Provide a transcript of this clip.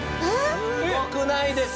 すごくないですか？